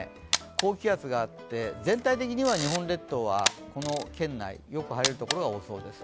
高気圧があって、全体的には日本列島はこの圏内、よく晴れる所が多そうです。